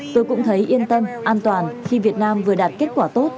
tôi cũng thấy yên tâm an toàn khi việt nam vừa đạt kết quả tốt